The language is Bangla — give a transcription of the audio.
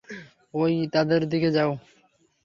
ঐ তাদের দিকে যাও।